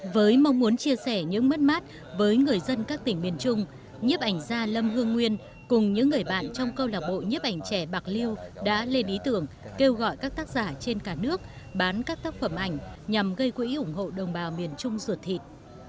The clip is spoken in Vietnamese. với mong muốn chia sẻ những mất mát với người dân các tỉnh miền trung nhiếp ảnh gia lâm hương nguyên cùng những người bạn trong câu lạc bộ nhiếp ảnh trẻ bạc liêu đã lên ý tưởng kêu gọi các tác giả trên cả nước bán các tác phẩm ảnh nhằm gây quỹ ủng hộ đồng bào miền trung ruột thịt